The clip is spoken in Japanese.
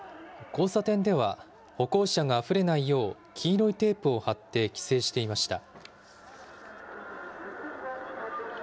交差点では、歩行者があふれないよう、黄色いテープを張って規制していました。